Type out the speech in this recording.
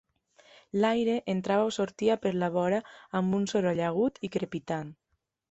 L'aire entrava o sortia per la vora amb un soroll agut i crepitant.